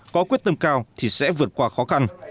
có quyết tâm cao thì sẽ vượt qua khó khăn